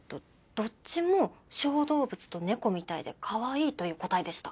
どっちも小動物と猫みたいで可愛いという答えでした。